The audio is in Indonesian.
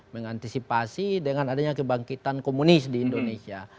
mengantisipasi dengan adanya kebangkitan komunis di indonesia